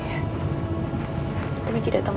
nanti nanti datang